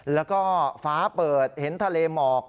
แล้วก็ฟ้าเปิดเห็นทะเลหมอก